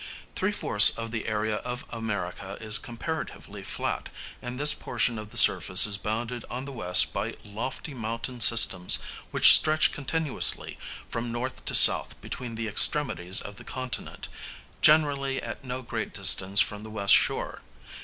Three fourths of the area of America is comparatively flat, and this portion of the surface is bounded on the west by lofty mountain systems which stretch continuously from north to south between the extremities of the continent, generally at no great distance from the west shore.